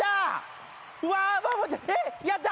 やった。